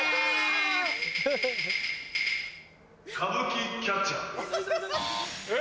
・・歌舞伎キャッチャー・え！